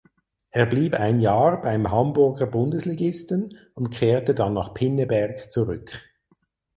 Er blieb ein Jahr beim Hamburger Bundesligisten und kehrte dann nach Pinneberg zurück.